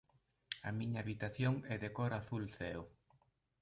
A miña habitación é de cor azul ceo